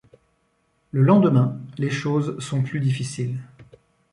Le lendemain, les choses sont plus difficiles.